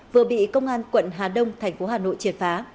vừa bị công an quận hà đông thành phố hà nội triệt phá